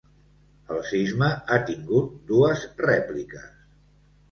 El sisme ha tingut dues rèpliques.